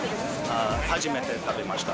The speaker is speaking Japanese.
初めて食べました。